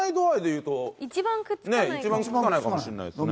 一番くっつかないかもしれないですね。